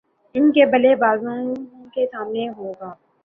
ان کے بلے بازوں کے سامنے ہو گا